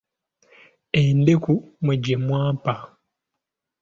Endeku mmwe gye mwampa!